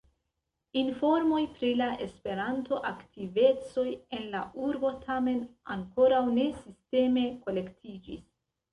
Informoj pri la Esperanto-aktivecoj en la urbo tamen ankoraŭ ne sisteme kolektiĝis.